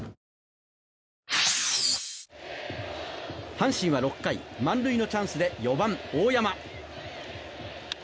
阪神は６回満塁のチャンスで４番、大山。